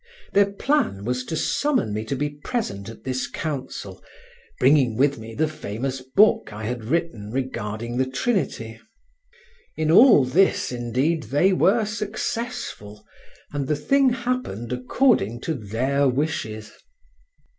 Their plan was to summon me to be present at this council, bringing with me the famous book I had written regarding the Trinity. In all this, indeed, they were successful, and the thing happened according to their wishes.